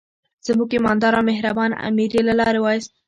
زموږ ایماندار او مهربان امیر یې له لارې وایست.